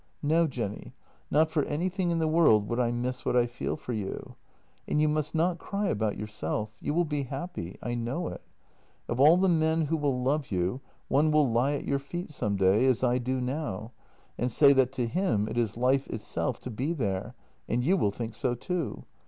No, Jenny, not for anything in the world would I miss what I feel for you! " And you must not cry about yourself. You will be happy. I know it. Of all the men who will love you, one will lie at your feet some day, as I do now, and say that to him it is life itself to be there, and you will think so too.